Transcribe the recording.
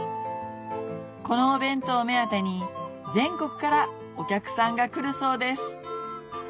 このお弁当目当てに全国からお客さんが来るそうです